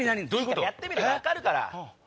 やってみれば分かるから。